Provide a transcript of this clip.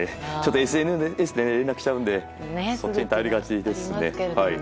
ＳＮＳで連絡しちゃうのでそっちに頼りがちですね。